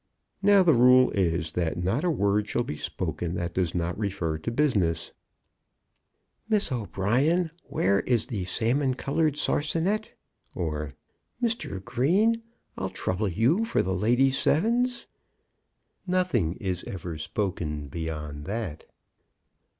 Now the rule is that not a word shall be spoken that does not refer to business. "Miss O'Brien, where is the salmon coloured sarsenet? or, Mr. Green, I'll trouble you for the ladies' sevens." Nothing is ever spoken beyond that.